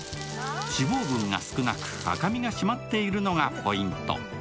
脂肪分が少なく赤身がしまっているのがポイント。